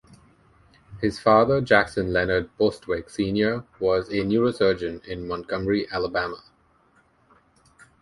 His father, Jackson Leonard Bostwick Senior was a neurosurgeon in Montgomery, Alabama.